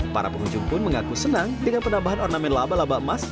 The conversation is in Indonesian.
para pengunjung pun mengaku senang dengan penambahan ornamen laba laba emas